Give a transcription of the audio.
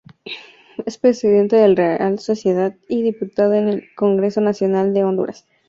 Es Presidente del Real Sociedad y diputado en el Congreso Nacional de Honduras.